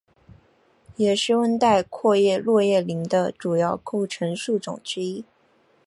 也是温带阔叶落叶林的主要构成树种之一。